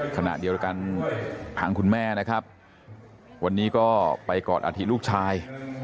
ขณะเดียวกันทางคุณแม่นะครับวันนี้ก็ไปกอดอาทิตลูกชาย